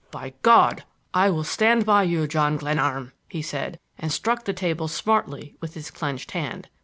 "By God, I will stand by you, John Glenarm!" he said, and struck the table smartly with his clenched hand.